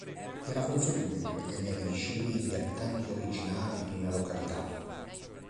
Era consuetudine ritenere "vicini" gli abitanti originari di una località.